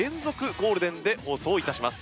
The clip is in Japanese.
ゴールデンで放送いたします。